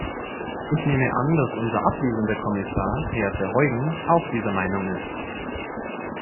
Ich nehme an, dass unser anwesender Kommissar, Herr Verheugen, auch dieser Meinung ist.